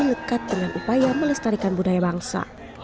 lekat dengan upaya melestarikan budaya bangsa